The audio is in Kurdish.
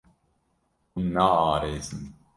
Hûn naarêsin.